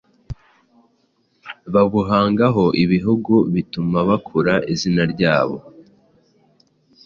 babuhangaho ibihugu, bituma bakura izina ryabo